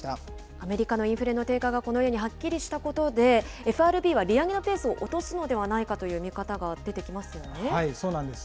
アメリカのインフレの低下がこのようにはっきりしたことで、ＦＲＢは利上げのペースを落とすのではないかという見方が出てきそうなんです。